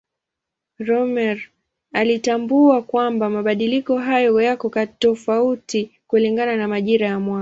Rømer alitambua kwamba mabadiliko haya yako tofauti kulingana na majira ya mwaka.